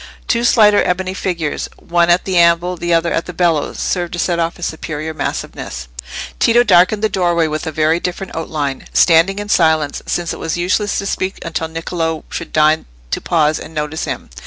Two slighter ebony figures, one at the anvil, the other at the bellows, served to set off his superior massiveness. Tito darkened the doorway with a very different outline, standing in silence, since it was useless to speak until Niccolò should deign to pause and notice him.